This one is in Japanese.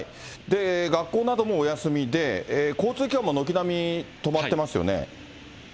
学校などもお休みで、交通機関も軒並み止まってますよね。